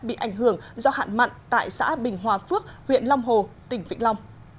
bị ảnh hưởng do hạn mặn tại xã bình hòa phước huyện long hồ tỉnh vĩnh long